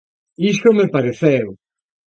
Iso me pareceu.